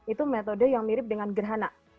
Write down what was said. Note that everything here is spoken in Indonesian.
itu metode yang mirip dengan gerhana